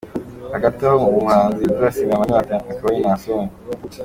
Hagati aho ubu umuhanzi uzasimbura Mani Martin akaba ari Naason.